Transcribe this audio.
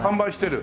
販売してる。